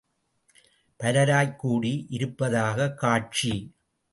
பலராய்க் கூடி இருப்பதாகக் காட்சி!